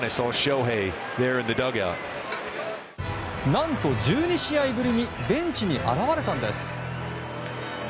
何と１２試合ぶりにベンチに現れたんです。